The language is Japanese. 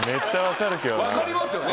分かりますよね。